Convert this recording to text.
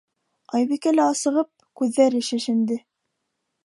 Айбикә лә асығып, күҙҙәре шешенде.